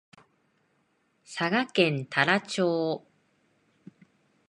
佐賀県太良町